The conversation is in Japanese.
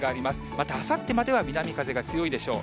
またあさってまでは南風が強いでしょう。